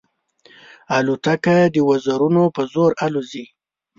الوتکه د وزرونو په زور الوزي.